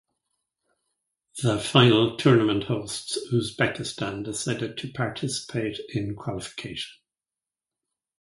The final tournament hosts Uzbekistan decided to participate in qualification.